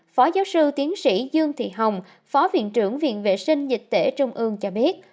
phó giáo sư tiến sĩ dương thị hồng phó viện trưởng viện vệ sinh dịch tễ trung ương cho biết